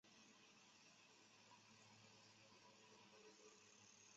沼泽侧颈龟属是一个单种属。